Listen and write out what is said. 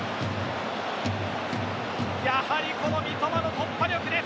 やはりこの三笘の突破力です。